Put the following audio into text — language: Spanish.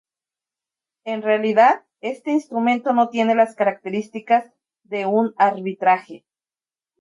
En realidad, este instrumento no tiene las características de un arbitraje.